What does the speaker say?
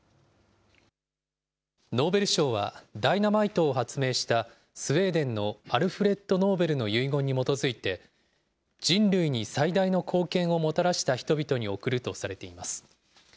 ノーベル賞は、ダイナマイトを発明したスウェーデンのアルフレッド・ノーベルの遺言に基づいて、人類に最大の貢献をもたらした人々に贈るとされています。